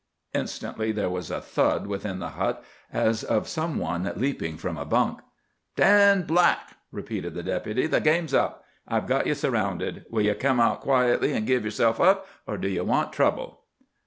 Instantly there was a thud within the hut as of some one leaping from a bunk. "Dan Black," repeated the Deputy, "the game's up. I've got ye surrounded. Will ye come out quietly an' give yerself up, or do ye want trouble?"